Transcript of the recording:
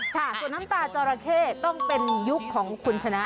ค่ะส่วนน้ำตาจอราเข้ต้องเป็นยุคของคุณชนะ